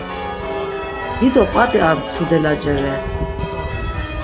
Dido p̌at̆i ar mtsudelace re.